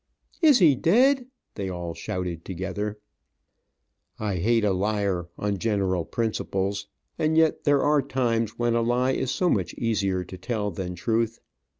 "Is he dead?" they all shouted together. I hate a liar, on general principles, and yet there are times when a lie is so much easier to tell than truth.